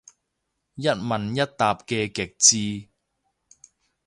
一問一答嘅極致